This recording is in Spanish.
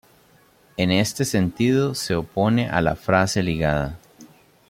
En este sentido, se opone a la frase ligada.